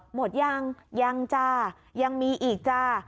หมดยังยังจ้ายังมีอีกจ้า